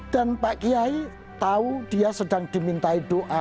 dan pak giai tahu dia sedang dimintai doa